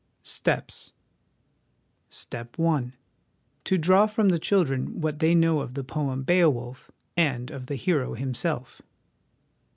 " Steps " Step I. To draw from the children what they know of the poem ' Beowulf, 3 and of the hero himself.